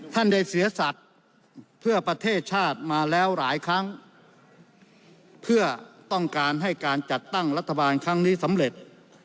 ท่านได้เสียสัตว์เพื่อประเทศชาติมาแล้วหลายครั้งเพื่อต้องการให้การจัดตั้งรัฐบาลครั้งนี้สำเร็จ